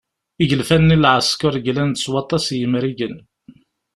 Igelfan-nni n leεeskeṛ glan-d s waṭas n yimrigen.